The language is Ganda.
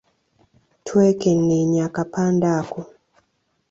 Twekenneenya akapande ako.